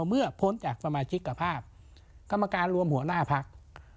พ้นจากสมาชิกภาพกรรมการรวมหัวหน้าพัก